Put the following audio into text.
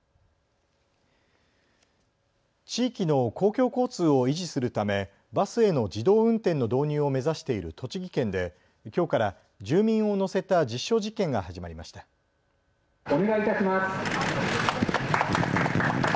地域の公共交通を維持するためバスへの自動運転の導入を目指している栃木県できょうから住民を乗せた実証実験が始まりました。